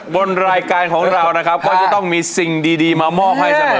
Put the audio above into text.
บนรายการของเรานะครับก็จะต้องมีสิ่งดีมามอบให้เสมอ